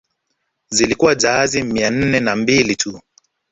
Zilikuwa jahazi mia nne na mbili tu